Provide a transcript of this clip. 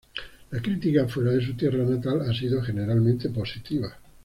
La crítica fuera de su tierra natal ha sido generalmente positiva.